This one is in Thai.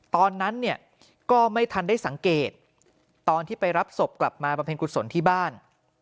ตอนนั้นเนี่ยก็ไม่ทันได้สังเกตตอนที่ไปรับศพกลับมาบำเพ็ญกุศลที่บ้าน